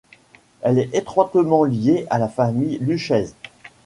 Elle est étroitement liée à la famille Lucchese.